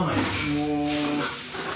もう。